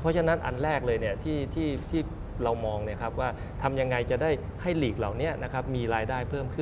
เพราะฉะนั้นอันแรกเลยที่เรามองว่าทำยังไงจะได้ให้หลีกเหล่านี้มีรายได้เพิ่มขึ้น